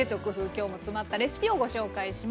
今日も詰まったレシピをご紹介します。